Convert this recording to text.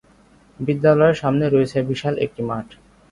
বিদ্যালয়ের সামনে রয়েছে বিশাল একটি মাঠ।